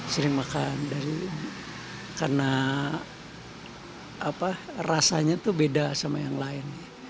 sering makan karena rasanya itu beda sama yang lain